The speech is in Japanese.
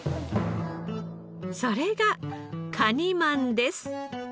それがかにまんです。